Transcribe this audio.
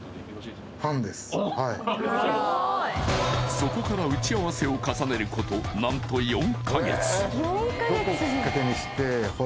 そこから打ち合わせを重ねること何と４カ月